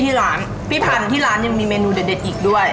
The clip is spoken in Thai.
พี่พันที่ร้านยังมีเมนูเด็ดอีกด้วย